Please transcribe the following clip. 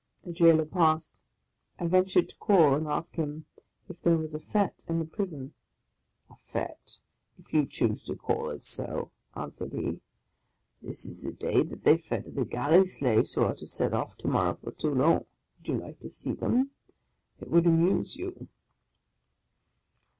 A jailor passed; I ventured to call and ask him " if there were a Fete in the Prison." " A Fete, if you choose to call it so," answered he ;" this is the day that they fetter the galley slaves who are to set off to morrow for Toulon. Would you like to see them? It would amuse you."